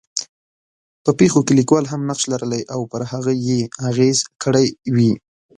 په پېښو کې لیکوال هم نقش لرلی او پر هغې یې اغېز کړی وي.